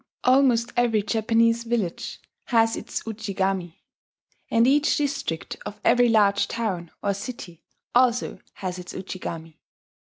Almost every Japanese village has its Ujigami; and each district of every large town or city also has its Ujigami.